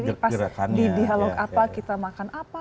jadi pas di dialogue apa kita makan apa